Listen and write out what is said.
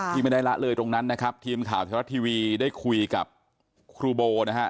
ที่ไม่ได้ละเลยตรงนั้นนะครับทีมข่าวไทยรัฐทีวีได้คุยกับครูโบนะฮะ